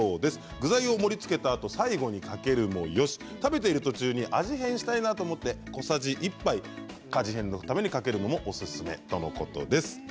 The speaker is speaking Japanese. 具材を盛りつけたあと最後にかけるもよし食べている途中に味変したいなと思ったときに小さじ１杯かけるのもおすすめだということです。